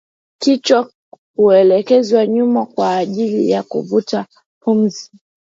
Kichwa huelekezwa nyuma kwa ajili ya kuvuta pumzi